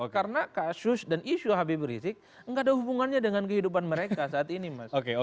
karena kasus dan isu habib rizik gak ada hubungannya dengan kehidupan mereka saat ini mas